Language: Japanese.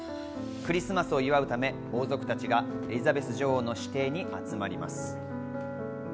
クリスマスを祝うため王族たちがエリザベス女王の私邸に集まります。